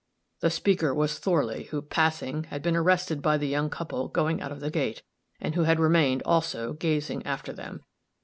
_' The speaker was Thorley, who, passing, had been arrested by the young couple going out of the gate, and who had remained, also, gazing after them.